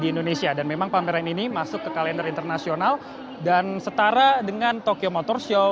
di indonesia dan memang pameran ini masuk ke kalender internasional dan setara dengan tokyo motor show